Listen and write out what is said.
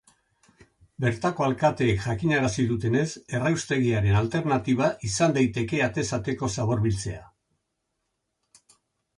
Bertako alkateek jakinarazi dutenez, erraustegiaren alternatiba izan daiteke atez ateko zabor biltzea.